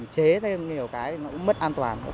chế thêm nhiều cái nó cũng mất an toàn